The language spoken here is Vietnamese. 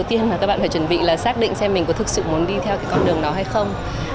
cái việc đầu tiên là các bạn phải chuẩn bị là xác định xem mình có thực sự muốn đi theo cái con đường đó hay không